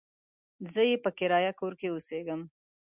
زه يې په کرايه کور کې اوسېږم.